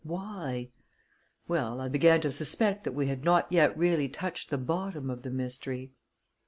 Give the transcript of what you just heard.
Why? Well, I began to suspect that we had not yet really touched the bottom of the mystery.